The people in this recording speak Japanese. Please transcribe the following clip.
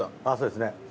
あぁそうですね。